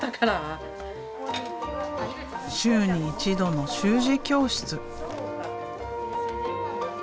週に一度の習字教室。